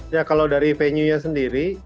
ya kalau dari venuenya sendiri